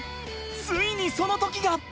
ついにその時が。